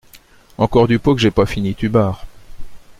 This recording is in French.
Encore du pot que j’aie pas fini tubard.